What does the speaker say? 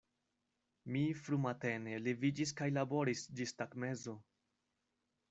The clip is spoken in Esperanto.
Mi frumatene leviĝis kaj laboris ĝis tagmezo.